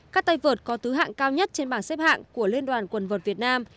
các tay vượt có tứ hạng cao nhất trên bảng xếp hạng của liên đoàn quần vượt việt nam